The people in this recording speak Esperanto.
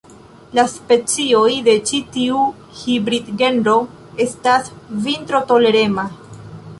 La specioj de ĉi tiu hibridgenro estas vintrotolerema.